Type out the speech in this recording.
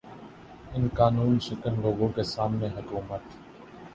ان قانوں شکن لوگوں کے سامنے حکومت